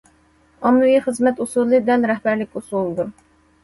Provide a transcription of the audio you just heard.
ئاممىۋى خىزمەت ئۇسۇلى دەل رەھبەرلىك ئۇسۇلىدۇر.